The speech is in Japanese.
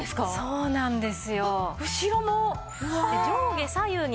そうなんです。